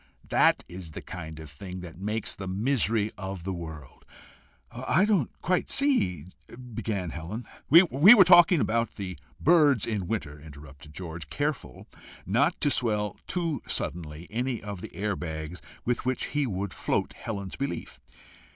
That is the kind of thing that makes the misery of the world!" "I don't quite see " began Helen. "We were talking about the birds in winter," interrupted George, careful not to swell too suddenly any of the air bags with which he would float Helen's belief.